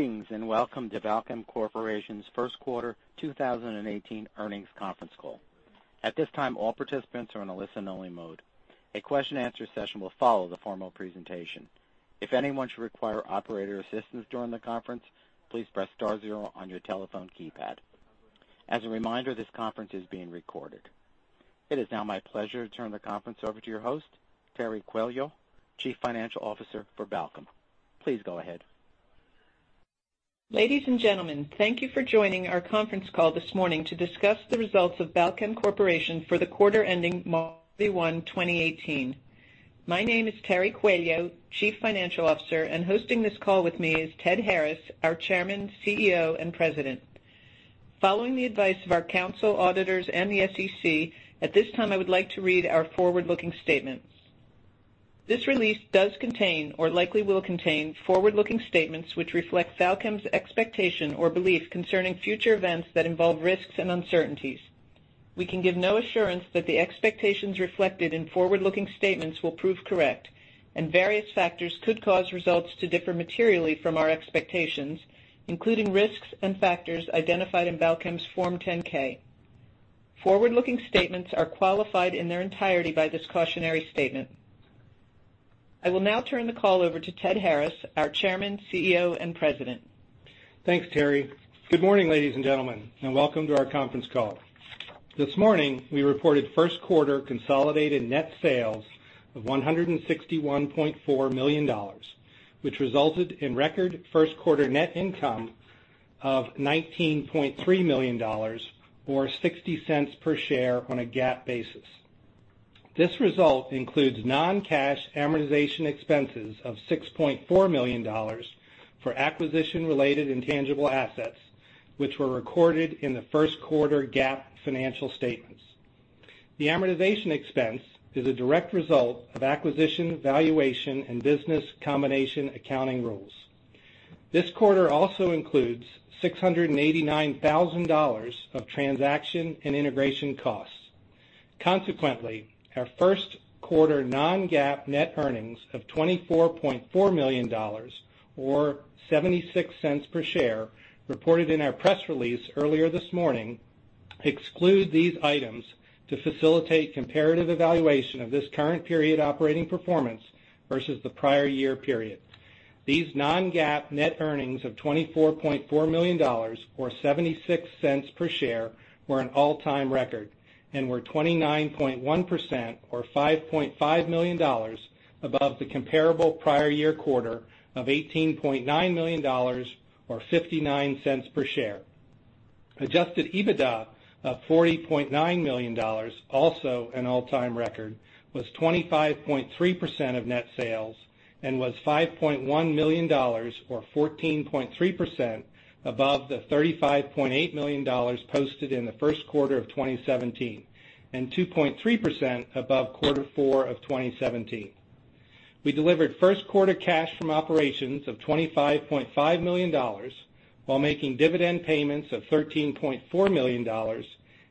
Greetings, and welcome to Balchem Corporation's first quarter 2018 earnings conference call. At this time, all participants are in a listen-only mode. A question-answer session will follow the formal presentation. If anyone should require operator assistance during the conference, please press star zero on your telephone keypad. As a reminder, this conference is being recorded. It is now my pleasure to turn the conference over to your host, Terry Coelho, Chief Financial Officer for Balchem. Please go ahead. Ladies and gentlemen, thank you for joining our conference call this morning to discuss the results of Balchem Corporation for the quarter ending March 31, 2018. My name is Terry Coelho, Chief Financial Officer, and hosting this call with me is Ted Harris, our Chairman, CEO, and President. Following the advice of our council, auditors, and the SEC, at this time, I would like to read our forward-looking statements. This release does contain or likely will contain forward-looking statements which reflect Balchem's expectation or belief concerning future events that involve risks and uncertainties. We can give no assurance that the expectations reflected in forward-looking statements will prove correct, and various factors could cause results to differ materially from our expectations, including risks and factors identified in Balchem's Form 10-K. Forward-looking statements are qualified in their entirety by this cautionary statement. I will now turn the call over to Ted Harris, our Chairman, CEO, and President. Thanks, Terry. Good morning, ladies and gentlemen, and welcome to our conference call. This morning, we reported first quarter consolidated net sales of $161.4 million, which resulted in record first quarter net income of $19.3 million, or $0.60 per share on a GAAP basis. This result includes non-cash amortization expenses of $6.4 million for acquisition-related intangible assets, which were recorded in the first quarter GAAP financial statements. The amortization expense is a direct result of acquisition valuation and business combination accounting rules. This quarter also includes $689,000 of transaction and integration costs. Consequently, our first quarter non-GAAP net earnings of $24.4 million or $0.76 per share, reported in our press release earlier this morning exclude these items to facilitate comparative evaluation of this current period operating performance versus the prior year period. These non-GAAP net earnings of $24.4 million or $0.76 per share were an all-time record and were 29.1% or $5.5 million above the comparable prior year quarter of $18.9 million or $0.59 per share. Adjusted EBITDA of $40.9 million, also an all-time record, was 25.3% of net sales and was $5.1 million or 14.3% above the $35.8 million posted in the first quarter of 2017 and 2.3% above quarter four of 2017. We delivered first quarter cash from operations of $25.5 million while making dividend payments of $13.4 million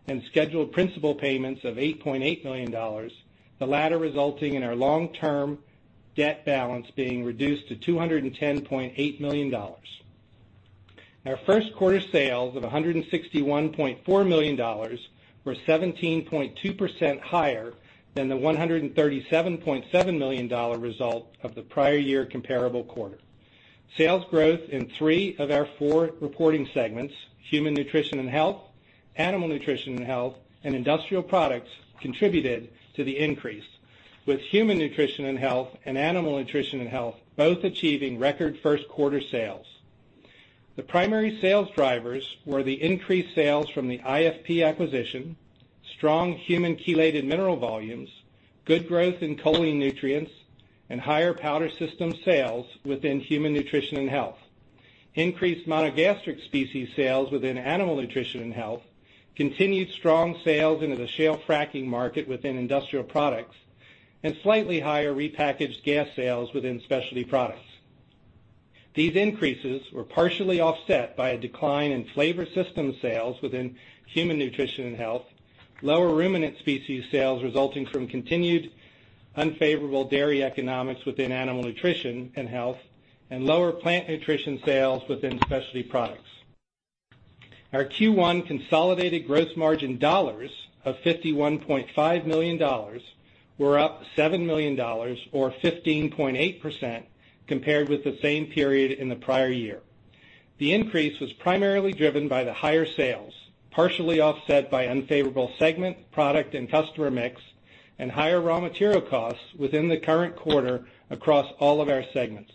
and scheduled principal payments of $8.8 million, the latter resulting in our long-term debt balance being reduced to $210.8 million. Our first quarter sales of $161.4 million were 17.2% higher than the $137.7 million result of the prior year comparable quarter. Sales growth in three of our four reporting segments, Human Nutrition and Health, Animal Nutrition and Health, and Industrial Products, contributed to the increase, with Human Nutrition and Health and Animal Nutrition and Health both achieving record first-quarter sales. The primary sales drivers were the increased sales from the IFP acquisition, strong human chelated mineral volumes, good growth in choline nutrients, and higher powder system sales within Human Nutrition and Health. Increased monogastric species sales within Animal Nutrition and Health continued strong sales into the shale fracking market within Industrial Products and slightly higher repackaged gas sales within Specialty Products. These increases were partially offset by a decline in flavor system sales within Human Nutrition and Health, lower ruminant species sales resulting from continued unfavorable dairy economics within Animal Nutrition and Health, and lower plant nutrition sales within Specialty Products. Our Q1 consolidated gross margin dollars of $51.5 million were up $7 million, or 15.8%, compared with the same period in the prior year. The increase was primarily driven by the higher sales, partially offset by unfavorable segment, product, and customer mix and higher raw material costs within the current quarter across all of our segments.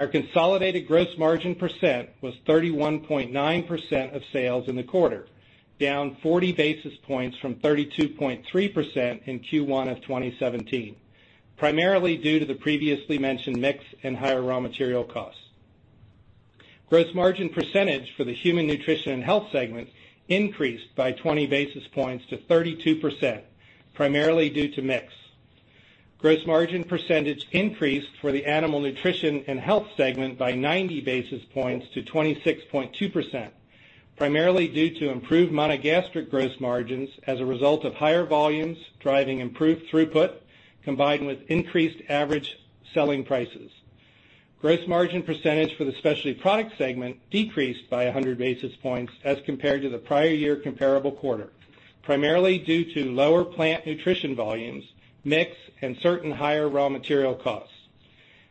Our consolidated gross margin percent was 31.9% of sales in the quarter, down 40 basis points from 32.3% in Q1 of 2017, primarily due to the previously mentioned mix and higher raw material costs. Gross margin percentage for the Human Nutrition and Health segment increased by 20 basis points to 32%, primarily due to mix. Gross margin percentage increased for the Animal Nutrition and Health segment by 90 basis points to 26.2% primarily due to improved monogastric gross margins as a result of higher volumes driving improved throughput, combined with increased average selling prices. Gross margin percentage for the Specialty Products segment decreased by 100 basis points as compared to the prior year comparable quarter, primarily due to lower plant nutrition volumes, mix, and certain higher raw material costs.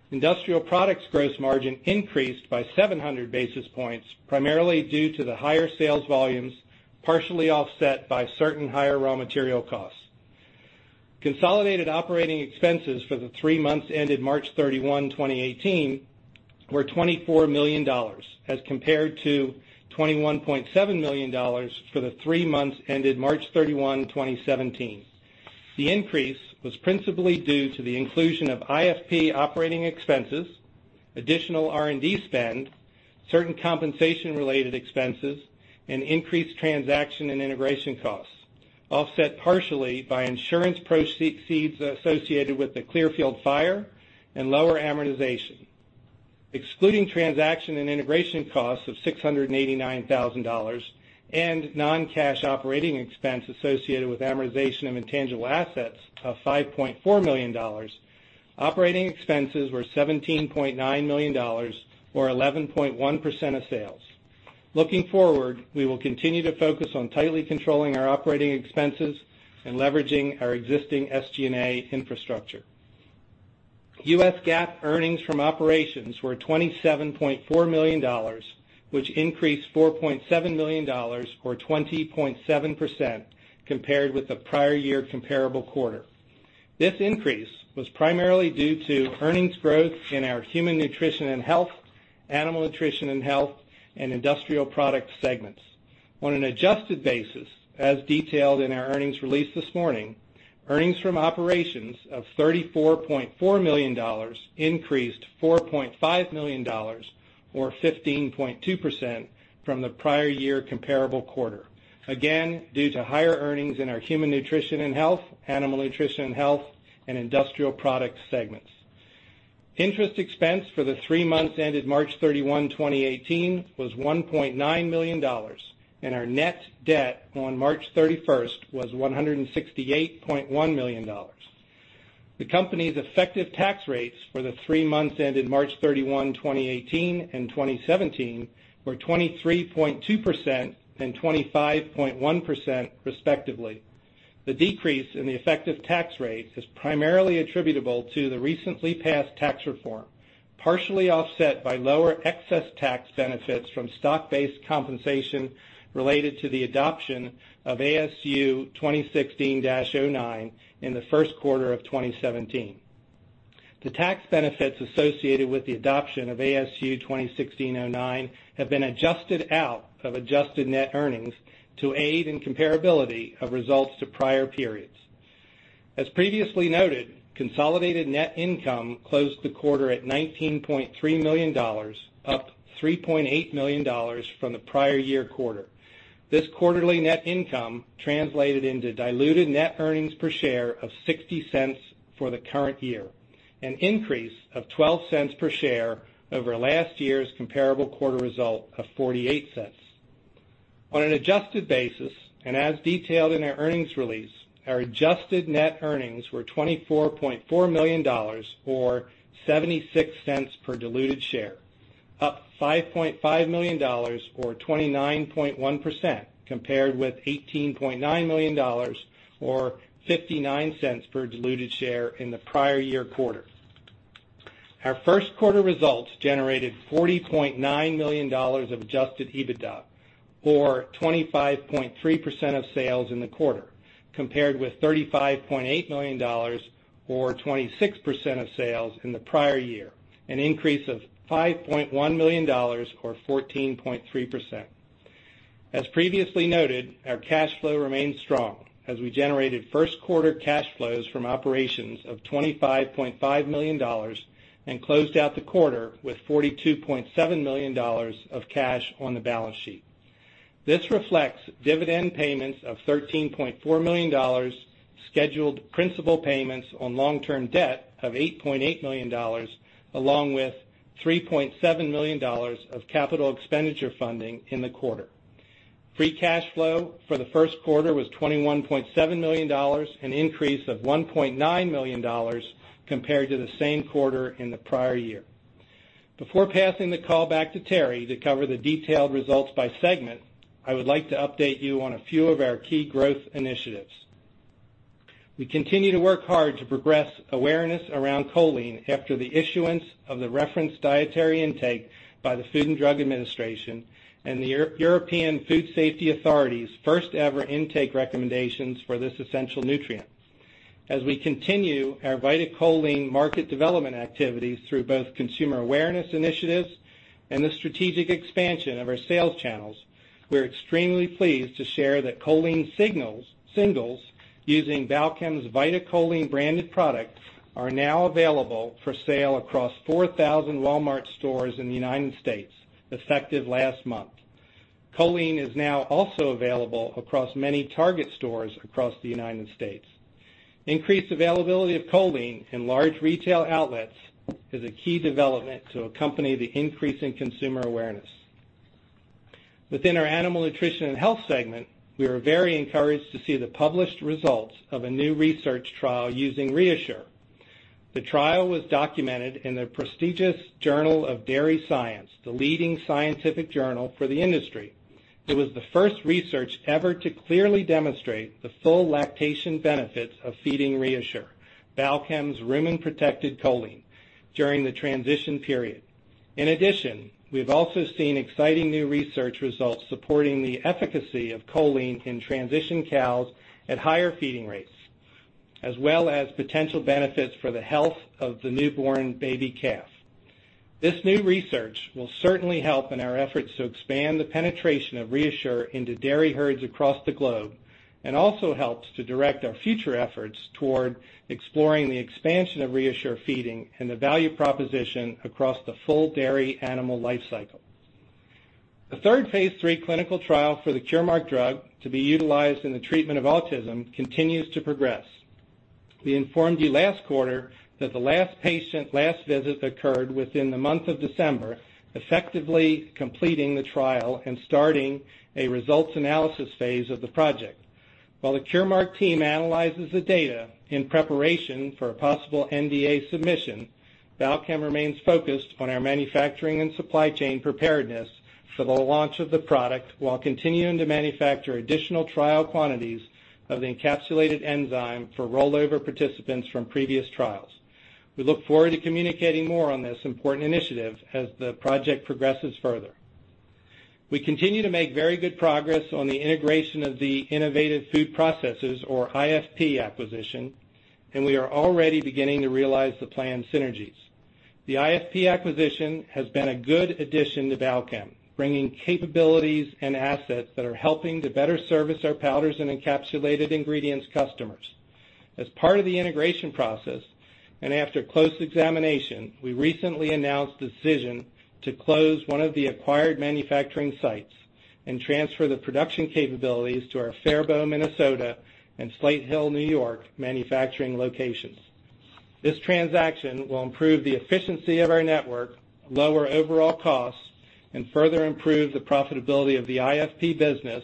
Industrial Products gross margin increased by 700 basis points, primarily due to the higher sales volumes, partially offset by certain higher raw material costs. Consolidated operating expenses for the three months ended March 31, 2018, were $24 million, as compared to $21.7 million for the three months ended March 31, 2017. The increase was principally due to the inclusion of IFP operating expenses, additional R&D spend, certain compensation-related expenses, and increased transaction and integration costs, offset partially by insurance proceeds associated with the Clearfield fire and lower amortization. Excluding transaction and integration costs of $689,000 and non-cash operating expense associated with amortization of intangible assets of $5.4 million, operating expenses were $17.9 million, or 11.1% of sales. Looking forward, we will continue to focus on tightly controlling our operating expenses and leveraging our existing SG&A infrastructure. U.S. GAAP earnings from operations were $27.4 million, which increased $4.7 million or 20.7% compared with the prior year comparable quarter. This increase was primarily due to earnings growth in our Human Nutrition and Health, Animal Nutrition and Health, and industrial product segments. On an adjusted basis, as detailed in our earnings release this morning, earnings from operations of $34.4 million increased $4.5 million or 15.2% from the prior year comparable quarter, again, due to higher earnings in our Human Nutrition and Health, Animal Nutrition and Health, and industrial product segments. Interest expense for the three months ended March 31, 2018, was $1.9 million, and our net debt on March 31st was $168.1 million. The company's effective tax rates for the three months ended March 31, 2018, and 2017, were 23.2% and 25.1% respectively. The decrease in the effective tax rate is primarily attributable to the recently passed tax reform, partially offset by lower excess tax benefits from stock-based compensation related to the adoption of ASU 2016-09 in the first quarter of 2017. The tax benefits associated with the adoption of ASU 2016-09 have been adjusted out of adjusted net earnings to aid in comparability of results to prior periods. As previously noted, consolidated net income closed the quarter at $19.3 million, up $3.8 million from the prior year quarter. This quarterly net income translated into diluted net earnings per share of $0.60 for the current year, an increase of $0.12 per share over last year's comparable quarter result of $0.48. On an adjusted basis, and as detailed in our earnings release, our adjusted net earnings were $24.4 million, or $0.76 per diluted share, up $5.5 million or 29.1% compared with $18.9 million or $0.59 per diluted share in the prior year quarter. Our first quarter results generated $40.9 million of adjusted EBITDA, or 25.3% of sales in the quarter, compared with $35.8 million or 26% of sales in the prior year, an increase of $5.1 million or 14.3%. As previously noted, our cash flow remains strong as we generated first quarter cash flows from operations of $25.5 million and closed out the quarter with $42.7 million of cash on the balance sheet. This reflects dividend payments of $13.4 million, scheduled principal payments on long-term debt of $8.8 million, along with $3.7 million of capital expenditure funding in the quarter. Free cash flow for the first quarter was $21.7 million, an increase of $1.9 million compared to the same quarter in the prior year. Before passing the call back to Terry to cover the detailed results by segment, I would like to update you on a few of our key growth initiatives. We continue to work hard to progress awareness around choline after the issuance of the referenced dietary intake by the Food and Drug Administration and the European Food Safety Authority's first-ever intake recommendations for this essential nutrient. As we continue our VitaCholine market development activities through both consumer awareness initiatives and the strategic expansion of our sales channels, we're extremely pleased to share that Choline Singles using Balchem's VitaCholine branded product are now available for sale across 4,000 Walmart stores in the United States, effective last month. Choline is now also available across many Target stores across the United States. Increased availability of choline in large retail outlets is a key development to accompany the increase in consumer awareness. Within our animal nutrition and health segment, we are very encouraged to see the published results of a new research trial using ReaShure. The trial was documented in the prestigious Journal of Dairy Science, the leading scientific journal for the industry. It was the first research ever to clearly demonstrate the full lactation benefits of feeding ReaShure, Balchem's rumen-protected choline, during the transition period. We've also seen exciting new research results supporting the efficacy of choline in transition cows at higher feeding rates, as well as potential benefits for the health of the newborn baby calf. This new research will certainly help in our efforts to expand the penetration of ReaShure into dairy herds across the globe, also helps to direct our future efforts toward exploring the expansion of ReaShure feeding and the value proposition across the full dairy animal life cycle. The third phase III clinical trial for the Curemark drug to be utilized in the treatment of autism continues to progress. We informed you last quarter that the last patient last visit occurred within the month of December, effectively completing the trial and starting a results analysis phase of the project. While the Curemark team analyzes the data in preparation for a possible NDA submission, Balchem remains focused on our manufacturing and supply chain preparedness for the launch of the product, while continuing to manufacture additional trial quantities of the encapsulated enzyme for rollover participants from previous trials. We look forward to communicating more on this important initiative as the project progresses further. We continue to make very good progress on the integration of the Innovative Food Processors, or IFP acquisition, we are already beginning to realize the planned synergies. The IFP acquisition has been a good addition to Balchem, bringing capabilities and assets that are helping to better service our powders and encapsulated ingredients customers. As part of the integration process, after close examination, we recently announced the decision to close one of the acquired manufacturing sites and transfer the production capabilities to our Faribault, Minnesota, and Slate Hill, New York, manufacturing locations. This transaction will improve the efficiency of our network, lower overall costs, and further improve the profitability of the IFP business.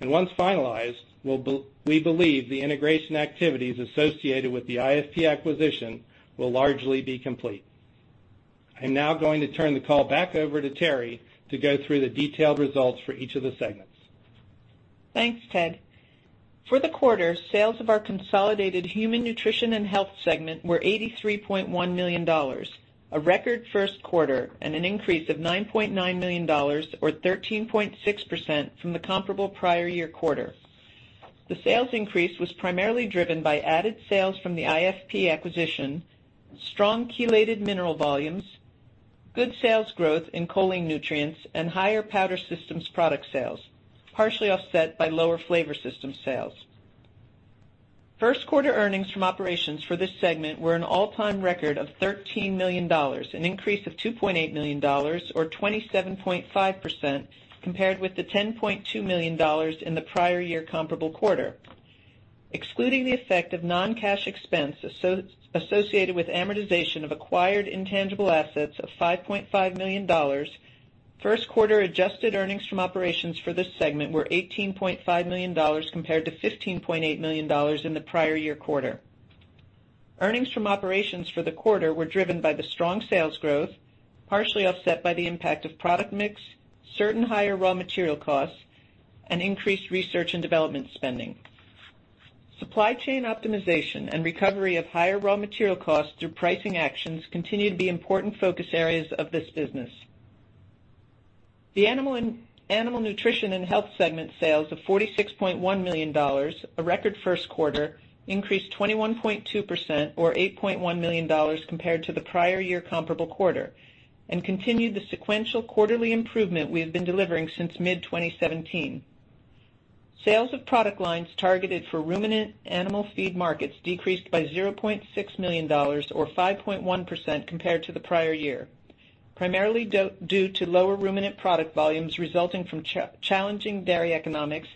Once finalized, we believe the integration activities associated with the IFP acquisition will largely be complete. I'm now going to turn the call back over to Terry to go through the detailed results for each of the segments. Thanks, Ted. For the quarter, sales of our consolidated human nutrition and health segment were $83.1 million, a record first quarter, and an increase of $9.9 million or 13.6% from the comparable prior year quarter. The sales increase was primarily driven by added sales from the IFP acquisition, strong chelated mineral volumes, good sales growth in choline nutrients, and higher powder systems product sales, partially offset by lower flavor system sales. First quarter earnings from operations for this segment were an all-time record of $13 million, an increase of $2.8 million or 27.5%, compared with the $10.2 million in the prior year comparable quarter. Excluding the effect of non-cash expense associated with amortization of acquired intangible assets of $5.5 million, first quarter adjusted earnings from operations for this segment were $18.5 million compared to $15.8 million in the prior year quarter. Earnings from operations for the quarter were driven by the strong sales growth, partially offset by the impact of product mix, certain higher raw material costs, and increased research and development spending. Supply chain optimization and recovery of higher raw material costs through pricing actions continue to be important focus areas of this business. The animal nutrition and health segment sales of $46.1 million, a record first quarter, increased 21.2%, or $8.1 million, compared to the prior year comparable quarter, and continued the sequential quarterly improvement we have been delivering since mid-2017. Sales of product lines targeted for ruminant animal feed markets decreased by $0.6 million or 5.1% compared to the prior year, primarily due to lower ruminant product volumes resulting from challenging dairy economics,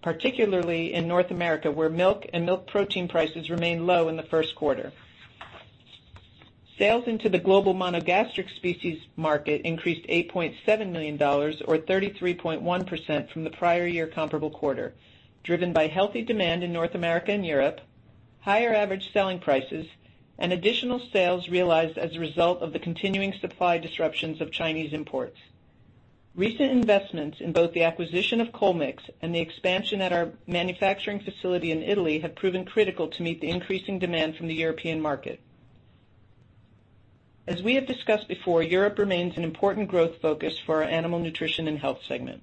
particularly in North America, where milk and milk protein prices remained low in the first quarter. Sales into the global monogastric species market increased $8.7 million or 33.1% from the prior year comparable quarter, driven by healthy demand in North America and Europe, higher average selling prices, and additional sales realized as a result of the continuing supply disruptions of Chinese imports. Recent investments in both the acquisition of Chol-Mix and the expansion at our manufacturing facility in Italy have proven critical to meet the increasing demand from the European market. We have discussed before, Europe remains an important growth focus for our animal nutrition and health segment.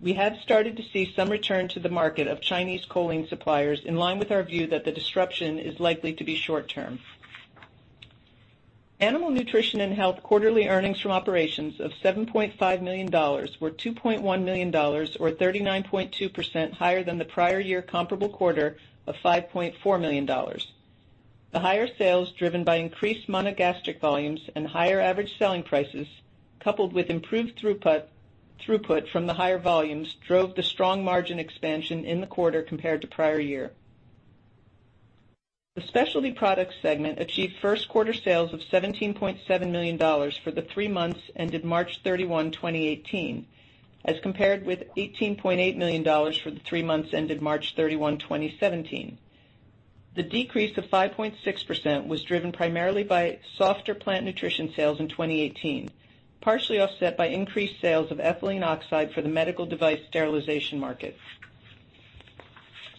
We have started to see some return to the market of Chinese choline suppliers, in line with our view that the disruption is likely to be short-term. Animal nutrition and health quarterly earnings from operations of $7.5 million were $2.1 million or 39.2% higher than the prior year comparable quarter of $5.4 million. The higher sales driven by increased monogastric volumes and higher average selling prices, coupled with improved throughput from the higher volumes, drove the strong margin expansion in the quarter compared to prior year. The specialty products segment achieved first quarter sales of $17.7 million for the three months ended March 31, 2018, as compared with $18.8 million for the three months ended March 31, 2017. The decrease of 5.6% was driven primarily by softer plant nutrition sales in 2018, partially offset by increased sales of ethylene oxide for the medical device sterilization market.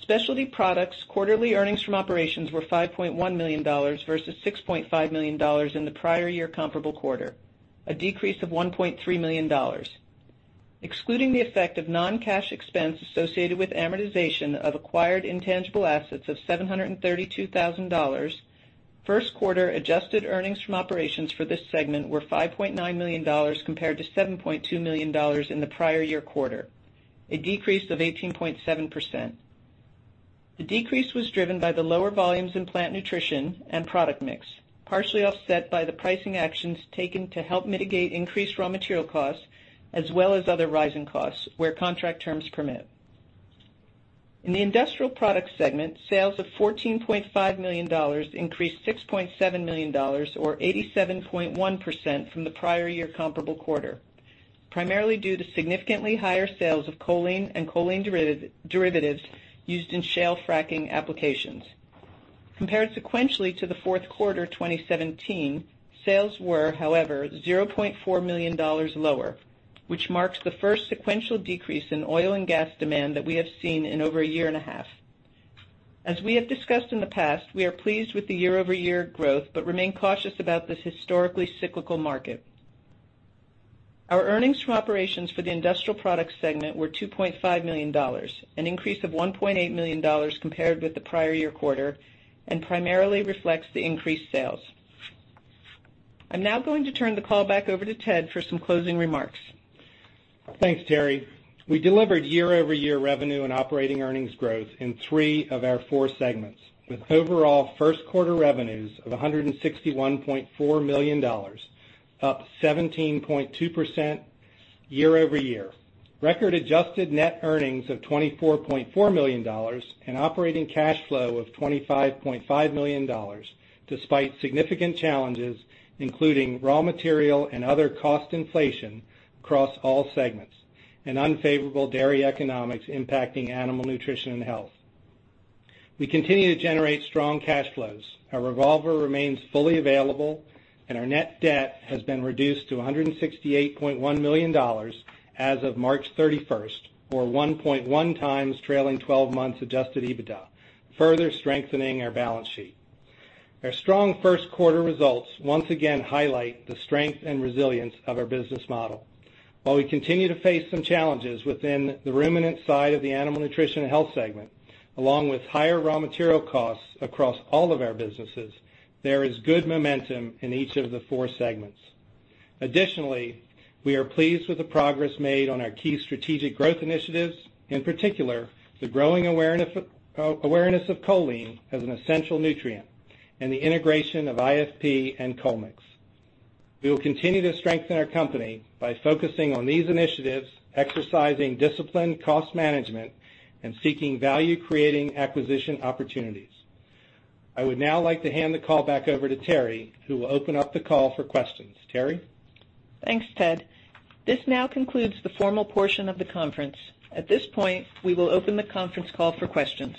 Specialty products quarterly earnings from operations were $5.1 million versus $6.5 million in the prior year comparable quarter, a decrease of $1.3 million. Excluding the effect of non-cash expense associated with amortization of acquired intangible assets of $732,000, first quarter adjusted earnings from operations for this segment were $5.9 million compared to $7.2 million in the prior year quarter, a decrease of 18.7%. The decrease was driven by the lower volumes in plant nutrition and product mix, partially offset by the pricing actions taken to help mitigate increased raw material costs, as well as other rising costs where contract terms permit. In the industrial products segment, sales of $14.5 million increased $6.7 million, or 87.1%, from the prior year comparable quarter, primarily due to significantly higher sales of choline and choline derivatives used in shale fracking applications. Compared sequentially to the fourth quarter 2017, sales were, however, $0.4 million lower, which marks the first sequential decrease in oil and gas demand that we have seen in over a year and a half. As we have discussed in the past, we are pleased with the year-over-year growth but remain cautious about this historically cyclical market. Our earnings from operations for the industrial products segment were $2.5 million, an increase of $1.8 million compared with the prior year quarter, and primarily reflects the increased sales. I'm now going to turn the call back over to Ted for some closing remarks. Thanks, Terry. We delivered year-over-year revenue and operating earnings growth in three of our four segments, with overall first quarter revenues of $161.4 million, up 17.2% year-over-year. Record-adjusted net earnings of $24.4 million and operating cash flow of $25.5 million, despite significant challenges, including raw material and other cost inflation across all segments and unfavorable dairy economics impacting animal nutrition and health. We continue to generate strong cash flows. Our revolver remains fully available, and our net debt has been reduced to $168.1 million as of March 31st or 1.1 times trailing 12 months adjusted EBITDA, further strengthening our balance sheet. Our strong first quarter results once again highlight the strength and resilience of our business model. While we continue to face some challenges within the ruminant side of the animal nutrition health segment, along with higher raw material costs across all of our businesses, there is good momentum in each of the four segments. Additionally, we are pleased with the progress made on our key strategic growth initiatives, in particular, the growing awareness of choline as an essential nutrient and the integration of IFP and Chol-Mix. We will continue to strengthen our company by focusing on these initiatives, exercising disciplined cost management, and seeking value-creating acquisition opportunities. I would now like to hand the call back over to Terry, who will open up the call for questions. Terry? Thanks, Ted. This now concludes the formal portion of the conference. At this point, we will open the conference call for questions.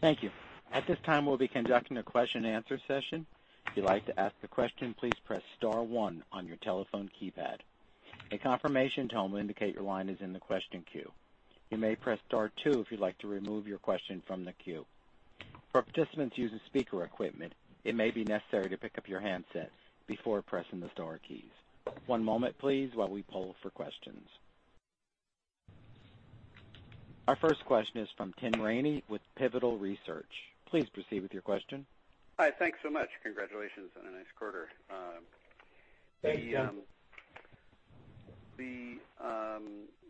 Thank you. At this time, we'll be conducting a question and answer session. If you'd like to ask a question, please press star one on your telephone keypad. A confirmation tone will indicate your line is in the question queue. You may press star two if you'd like to remove your question from the queue. For participants using speaker equipment, it may be necessary to pick up your handset before pressing the star keys. One moment, please, while we poll for questions. Our first question is from Tim Ramey with Pivotal Research. Please proceed with your question. Hi. Thanks so much. Congratulations on a nice quarter. Thank you. The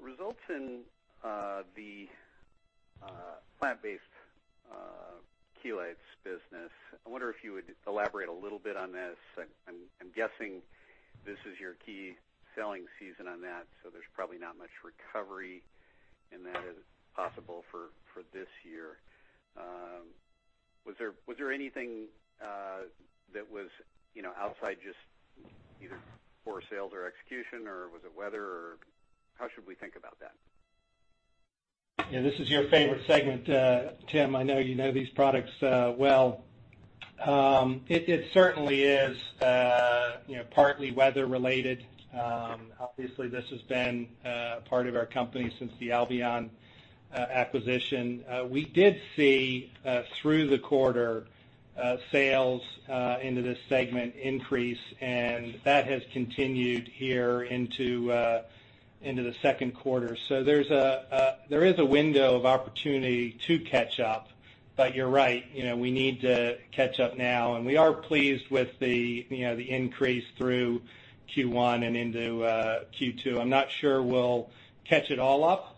results in the plant-based chelates business, I wonder if you would elaborate a little bit on this. I'm guessing this is your key selling season on that, so there's probably not much recovery in that as possible for this year. Was there anything that was outside just either poor sales or execution, or was it weather, or how should we think about that? Yeah, this is your favorite segment, Tim. I know you know these products well. It certainly is partly weather related. Obviously, this has been part of our company since the Albion acquisition. We did see through the quarter sales into this segment increase, and that has continued here into the second quarter. There is a window of opportunity to catch up. You're right, we need to catch up now, and we are pleased with the increase through Q1 and into Q2. I'm not sure we'll catch it all up.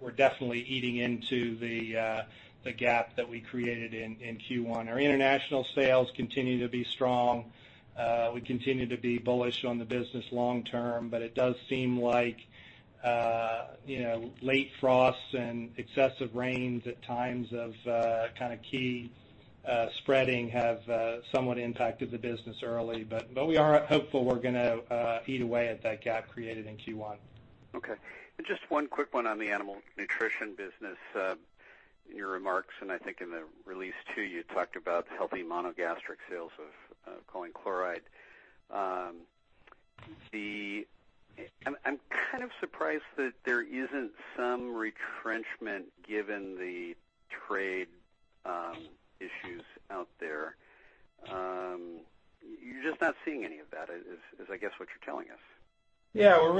We're definitely eating into the gap that we created in Q1. Our international sales continue to be strong. We continue to be bullish on the business long term, but it does seem like late frosts and excessive rains at times of key spreading have somewhat impacted the business early. We are hopeful we're going to eat away at that gap created in Q1. Okay. Just one quick one on the animal nutrition business. In your remarks, and I think in the release, too, you talked about healthy monogastric sales of choline chloride. I'm kind of surprised that there isn't some retrenchment given the trade issues out there. You're just not seeing any of that, is I guess what you're telling us. We're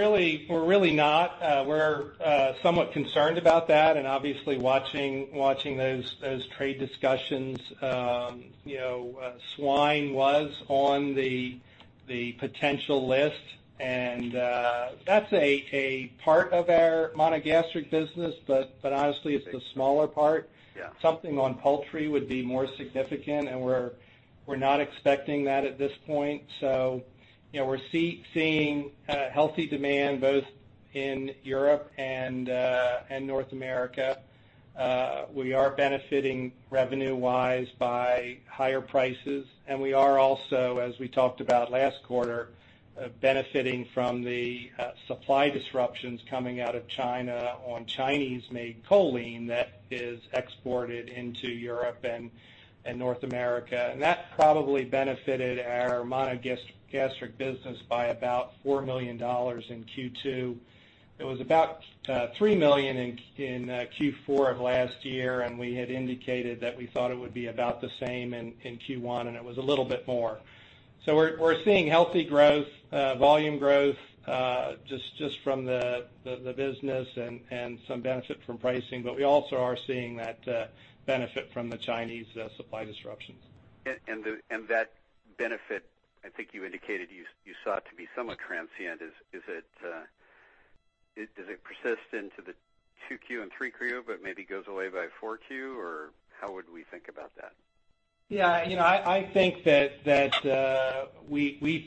really not. We're somewhat concerned about that, obviously watching those trade discussions. Swine was on the potential list, that's a part of our monogastric business. Honestly, it's the smaller part. Yeah. Something on poultry would be more significant, we're not expecting that at this point. We're seeing healthy demand both in Europe and North America. We are benefiting revenue-wise by higher prices, we are also, as we talked about last quarter, benefiting from the supply disruptions coming out of China on Chinese-made choline that is exported into Europe and North America. That probably benefited our monogastric business by about $4 million in Q1. It was about $3 million in Q4 of last year, we had indicated that we thought it would be about the same in Q1, it was a little bit more. We're seeing healthy growth, volume growth, just from the business and some benefit from pricing. We also are seeing that benefit from the Chinese supply disruptions. That benefit, I think you indicated you saw it to be somewhat transient. Does it persist into the 2Q and 3Q, maybe goes away by 4Q, or how would we think about that? We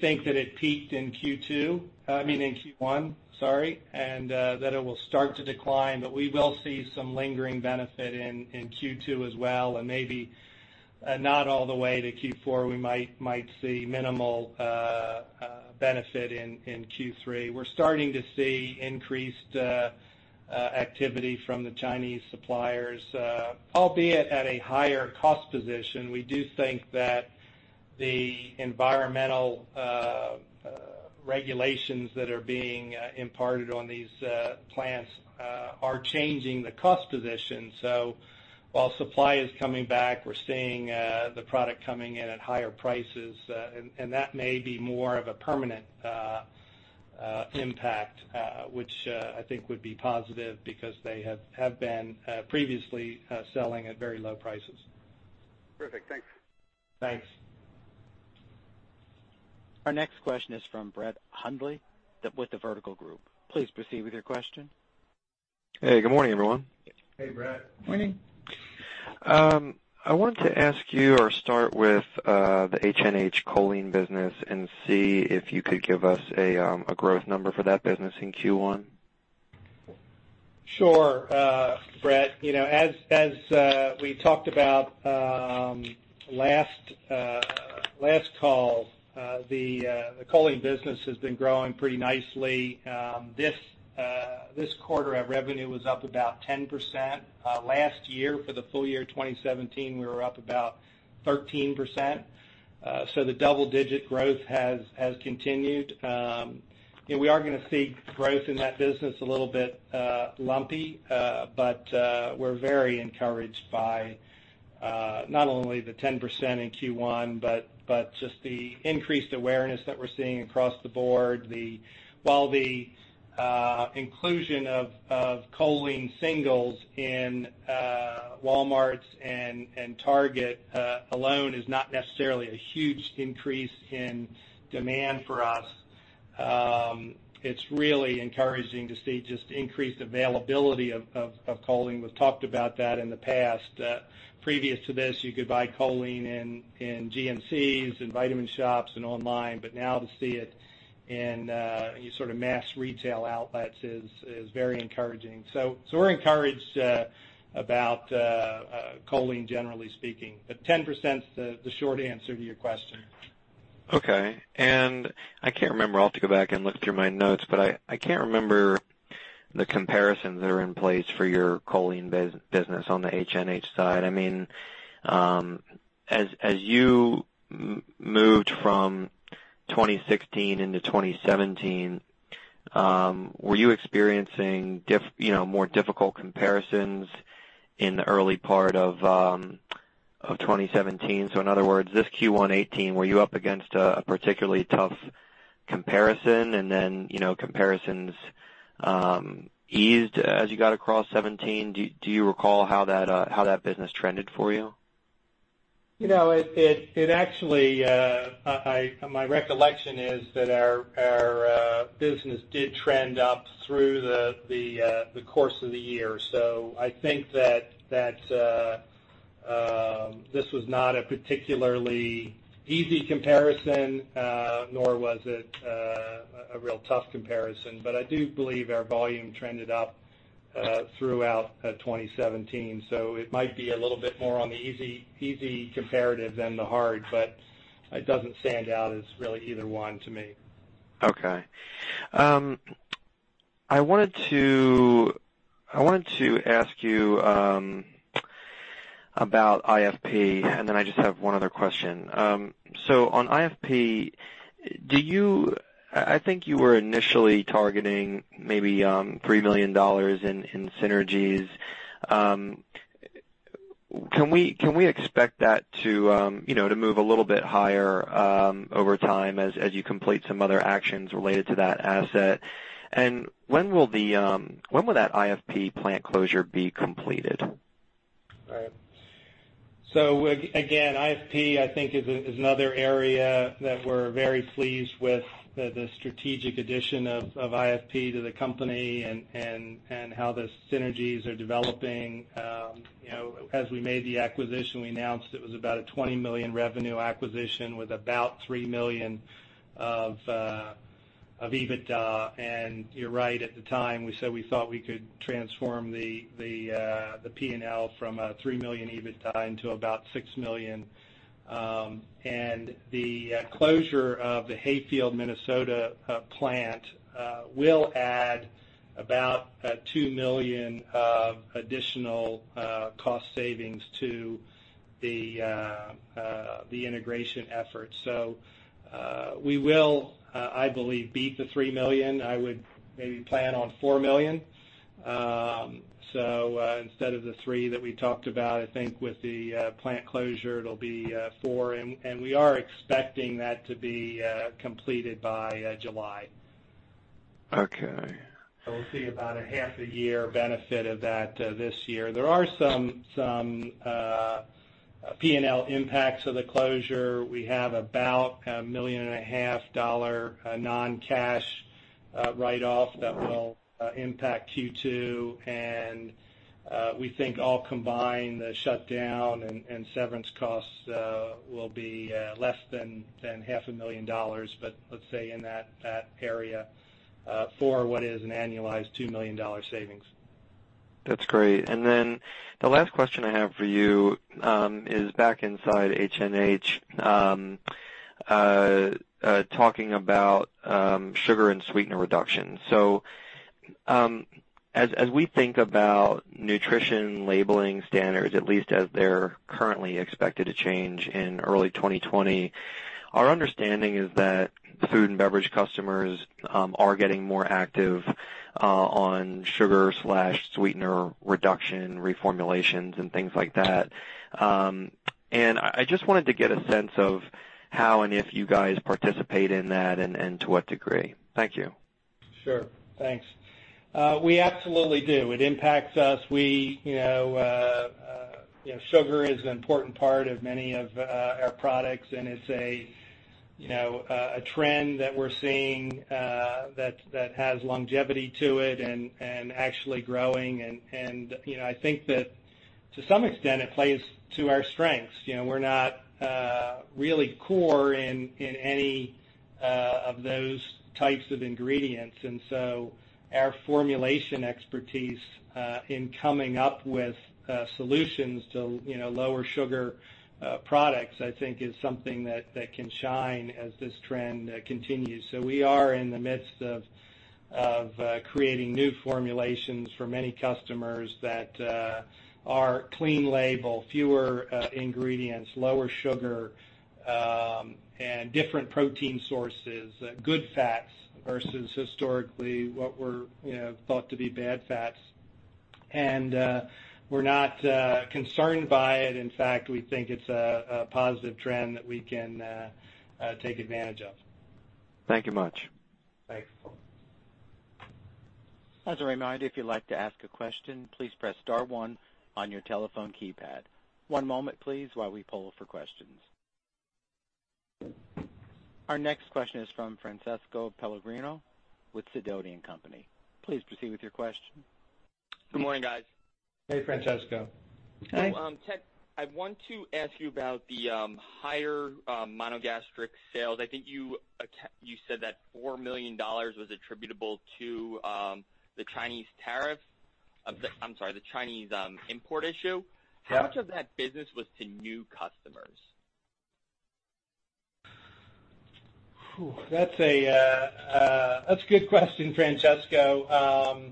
think that it peaked in I mean in Q1, sorry, that it will start to decline. We will see some lingering benefit in Q2 as well, maybe not all the way to Q4. We might see minimal benefit in Q3. We're starting to see increased activity from the Chinese suppliers, albeit at a higher cost position. We do think that the environmental regulations that are being imparted on these plants are changing the cost position. While supply is coming back, we're seeing the product coming in at higher prices. That may be more of a permanent impact, which I think would be positive because they have been previously selling at very low prices. Perfect. Thanks. Thanks. Our next question is from Brett Hundley with the Vertical Group. Please proceed with your question. Hey, good morning, everyone. Hey, Brett. Morning. I wanted to ask you or start with the HNH choline business and see if you could give us a growth number for that business in Q1. Sure. Brett, as we talked about last call, the choline business has been growing pretty nicely. This quarter, our revenue was up about 10%. Last year, for the full year 2017, we were up about 13%. The double-digit growth has continued. We are going to see growth in that business a little bit lumpy. We're very encouraged by not only the 10% in Q1, but just the increased awareness that we're seeing across the board. While the inclusion of Choline Singles in Walmart and Target alone is not necessarily a huge increase in demand for us, it's really encouraging to see just increased availability of choline. We've talked about that in the past. Previous to this, you could buy choline in GNCs and vitamin shops and online, but now to see it in mass retail outlets is very encouraging. We're encouraged about choline, generally speaking. 10% is the short answer to your question. Okay. I can't remember. I'll have to go back and look through my notes, but I can't remember the comparisons that are in place for your choline business on the HNH side. As you moved from 2016 into 2017, were you experiencing more difficult comparisons in the early part of 2017? In other words, this Q1 2018, were you up against a particularly tough comparison and then comparisons eased as you got across 2017? Do you recall how that business trended for you? It actually, my recollection is that our business did trend up through the course of the year. I think that this was not a particularly easy comparison, nor was it a real tough comparison. I do believe our volume trended up throughout 2017. It might be a little bit more on the easy comparative than the hard, but it doesn't stand out as really either one to me. Okay. I wanted to ask you about IFP, then I just have one other question. On IFP, I think you were initially targeting maybe $3 million in synergies. Can we expect that to move a little bit higher over time as you complete some other actions related to that asset? When will that IFP plant closure be completed? Right. Again, IFP, I think is another area that we're very pleased with the strategic addition of IFP to the company and how the synergies are developing. As we made the acquisition, we announced it was about a $20 million revenue acquisition with about $3 million of EBITDA. You're right, at the time, we said we thought we could transform the P&L from a $3 million EBITDA into about $6 million. The closure of the Hayfield, Minnesota plant will add about $2 million of additional cost savings to the integration efforts. We will, I believe, beat the $3 million. I would maybe plan on $4 million. Instead of the three that we talked about, I think with the plant closure, it'll be four, and we are expecting that to be completed by July. Okay. We'll see about a half a year benefit of that this year. There are some P&L impacts of the closure. We have about a million and a half dollar non-cash write-off that will impact Q2. We think all combined, the shutdown and severance costs will be less than half a million dollars, but let's say in that area, for what is an annualized $2 million savings. That's great. Then the last question I have for you is back inside HNH, talking about sugar and sweetener reduction. As we think about nutrition labeling standards, at least as they're currently expected to change in early 2020, our understanding is that food and beverage customers are getting more active on sugar/sweetener reduction, reformulations, and things like that. I just wanted to get a sense of how, and if you guys participate in that, and to what degree. Thank you. Sure. Thanks. We absolutely do. It impacts us. Sugar is an important part of many of our products. It's a trend that we're seeing that has longevity to it and actually growing. I think that to some extent it plays to our strengths. We're not really core in any of those types of ingredients. Our formulation expertise in coming up with solutions to lower sugar products, I think, is something that can shine as this trend continues. We are in the midst of creating new formulations for many customers that are clean label, fewer ingredients, lower sugar, and different protein sources, good fats versus historically what were thought to be bad fats. We're not concerned by it. In fact, we think it's a positive trend that we can take advantage of. Thank you much. Thanks. As a reminder, if you'd like to ask a question, please press star one on your telephone keypad. One moment, please, while we poll for questions. Our next question is from Francesco Pellegrino with Sidoti & Company. Please proceed with your question. Good morning, guys. Hey, Francesco. Hey. Ted, I want to ask you about the higher monogastric sales. I think you said that $4 million was attributable to the Chinese tariff I'm sorry, the Chinese import issue. Yeah. How much of that business was to new customers? That's a good question, Francesco.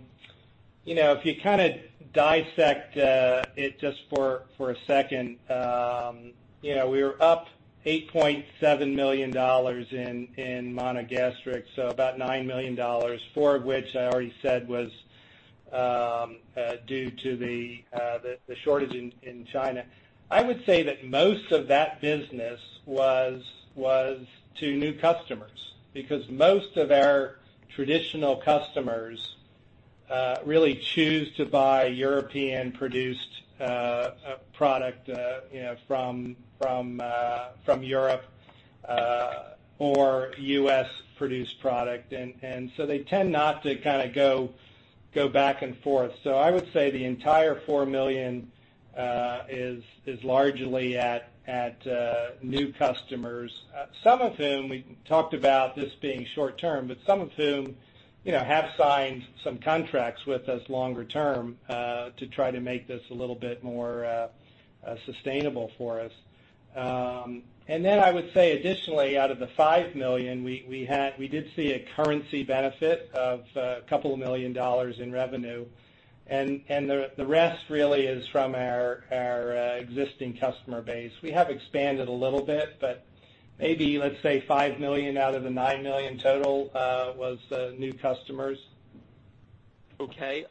If you kind of dissect it just for a second, we were up $8.7 million in monogastric, so about $9 million, four of which I already said was due to the shortage in China. I would say that most of that business was to new customers, because most of our traditional customers really choose to buy European-produced product from Europe or U.S.-produced product. They tend not to go back and forth. I would say the entire $4 million is largely at new customers, some of whom we talked about this being short-term, but some of whom have signed some contracts with us longer-term to try to make this a little bit more sustainable for us. I would say additionally, out of the $5 million we did see a currency benefit of a couple of million dollars in revenue, and the rest really is from our existing customer base. We have expanded a little bit, but maybe, let's say $5 million out of the $9 million total was new customers. Okay.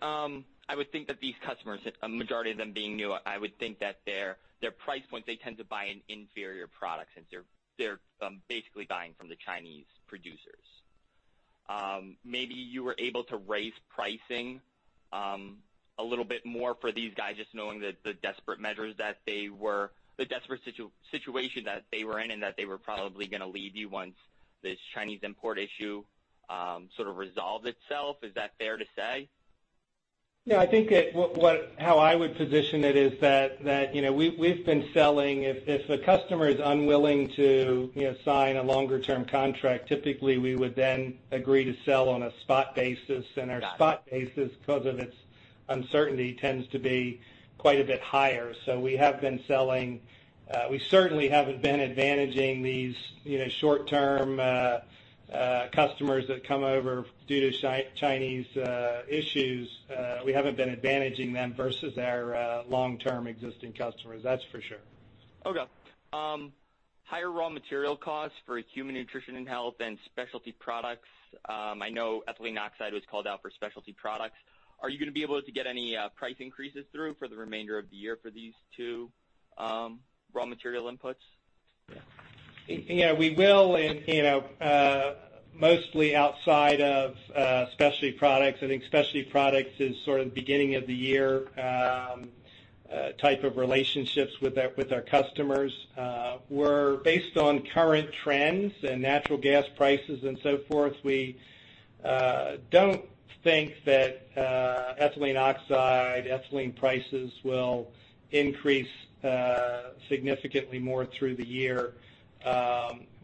I would think that these customers, a majority of them being new, I would think that their price point, they tend to buy an inferior product since they're basically buying from the Chinese producers. Maybe you were able to raise pricing a little bit more for these guys, just knowing the desperate situation that they were in and that they were probably going to leave you once this Chinese import issue sort of resolves itself. Is that fair to say? Yeah, I think that how I would position it is that if a customer is unwilling to sign a longer-term contract, typically we would then agree to sell on a spot basis. Our spot basis, because of its uncertainty, tends to be quite a bit higher. We have been selling. We certainly haven't been advantaging these short-term customers that come over due to Chinese issues. We haven't been advantaging them versus our long-term existing customers, that's for sure. Okay. Higher raw material costs for Human Nutrition and Health and Specialty Products. I know ethylene oxide was called out for Specialty Products. Are you going to be able to get any price increases through for the remainder of the year for these two raw material inputs? Yeah. We will, mostly outside of Specialty Products. I think Specialty Products is sort of the beginning of the year type of relationships with our customers, where based on current trends and natural gas prices and so forth, we don't think that ethylene oxide, ethylene prices will increase significantly more through the year.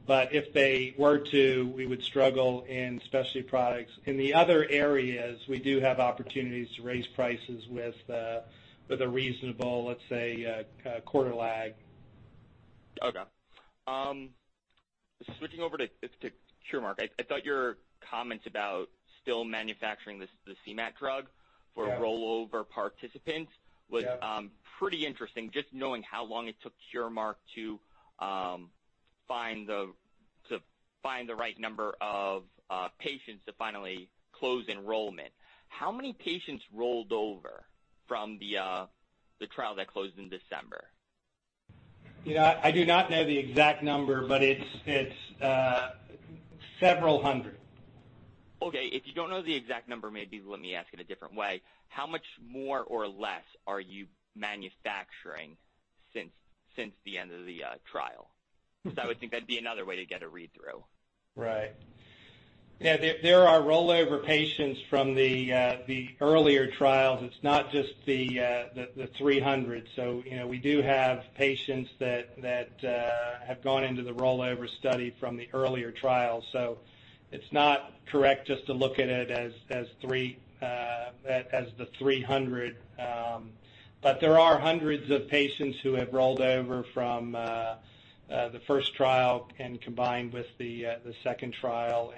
If they were to, we would struggle in Specialty Products. In the other areas, we do have opportunities to raise prices with a reasonable, let's say, quarter lag. Okay. Switching over to Curemark. I thought your comments about still manufacturing the CM-AT drug for rollover participants was pretty interesting, just knowing how long it took Curemark to find the right number of patients to finally close enrollment. How many patients rolled over from the trial that closed in December? I do not know the exact number, it's several hundred. Okay, if you don't know the exact number, maybe let me ask it a different way. How much more or less are you manufacturing since the end of the trial? I would think that'd be another way to get a read-through. Right. Yeah, there are rollover patients from the earlier trials. It's not just the 300. We do have patients that have gone into the rollover study from the earlier trial, so it's not correct just to look at it as the 300. There are hundreds of patients who have rolled over from the first trial and combined with the second trial.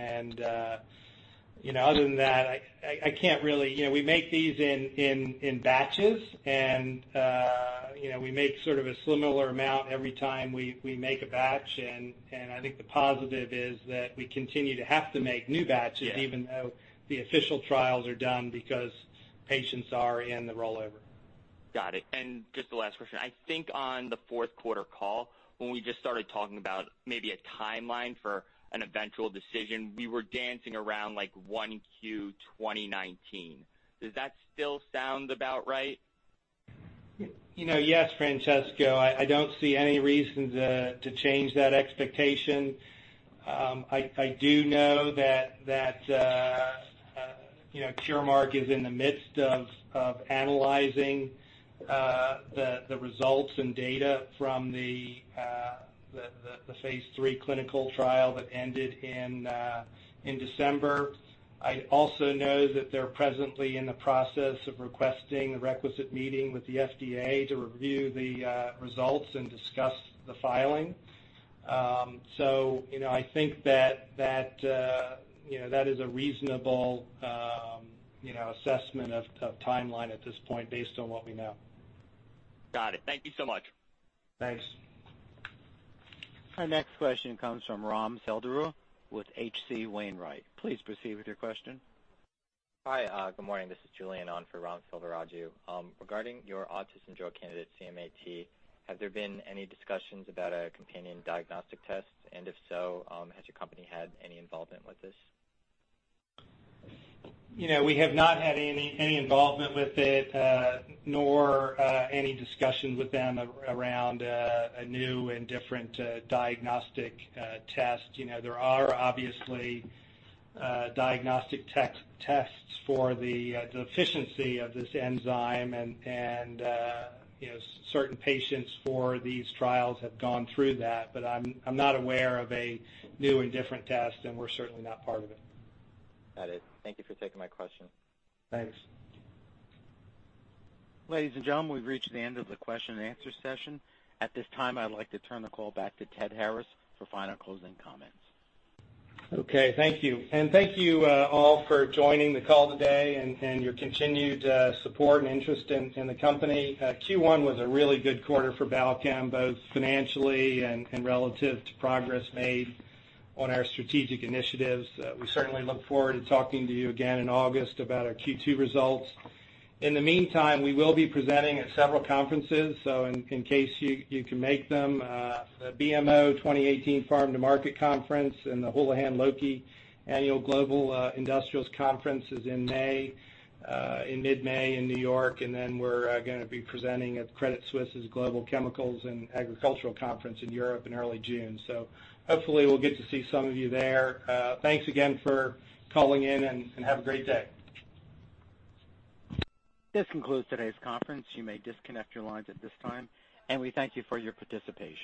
Other than that, I can't really. We make these in batches, and we make sort of a similar amount every time we make a batch. I think the positive is that we continue to have to make new batches even though the official trials are done because patients are in the rollover. Got it. Just the last question. I think on the fourth quarter call, when we just started talking about maybe a timeline for an eventual decision, we were dancing around 1Q 2019. Does that still sound about right? Yes, Francesco. I don't see any reason to change that expectation. I do know that Curemark is in the midst of analyzing the results and data from the phase III clinical trial that ended in December. I also know that they're presently in the process of requesting the requisite meeting with the FDA to review the results and discuss the filing. I think that is a reasonable assessment of timeline at this point based on what we know. Got it. Thank you so much. Thanks. Our next question comes from Raghuram Selvaraju with H.C. Wainwright. Please proceed with your question. Hi, good morning. This is Julian on for Raghuram Selvaraju. Regarding your autism drug candidate, CM-AT, have there been any discussions about a companion diagnostic test? If so, has your company had any involvement with this? We have not had any involvement with it, nor any discussions with them around a new and different diagnostic test. There are obviously diagnostic tests for the efficiency of this enzyme, and certain patients for these trials have gone through that. I'm not aware of a new and different test, and we're certainly not part of it. Got it. Thank you for taking my question. Thanks. Ladies and gentlemen, we've reached the end of the question and answer session. At this time, I'd like to turn the call back to Ted Harris for final closing comments. Okay, thank you. Thank you all for joining the call today and your continued support and interest in the company. Q1 was a really good quarter for Balchem, both financially and relative to progress made on our strategic initiatives. We certainly look forward to talking to you again in August about our Q2 results. In the meantime, we will be presenting at several conferences, in case you can make them, the BMO 2018 Farm to Market Conference and the Houlihan Lokey Global Industrials Conference is in mid-May in New York. We're going to be presenting at Credit Suisse's Global Chemicals and Agribusiness Conference in Europe in early June. Hopefully we'll get to see some of you there. Thanks again for calling in and have a great day. This concludes today's conference. You may disconnect your lines at this time. We thank you for your participation.